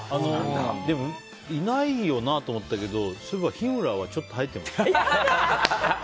でも、いないよなと思ったけどそういえば日村はちょっと吐いてました。